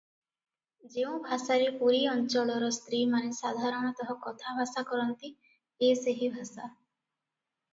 ଯେଉଁ ଭାଷାରେ ପୁରୀ ଅଞ୍ଚଳରେ ସ୍ତ୍ରୀମାନେ ସାଧାରଣତଃ କଥାଭାଷା କରନ୍ତି ଏ ସେହି ଭାଷା ।